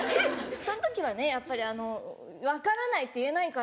その時はねやっぱり分からないって言えないから